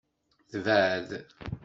Tebɛed.